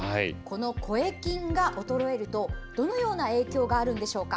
声筋が衰えると、どのような影響があるんでしょうか。